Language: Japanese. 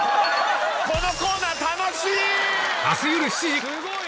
このコーナー楽しい！